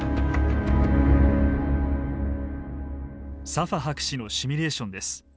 サファ博士のシミュレーションです。